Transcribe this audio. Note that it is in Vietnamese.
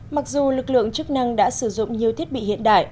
mặc dù lực lượng chức năng đã sử dụng nhiều thiết bị hiện đại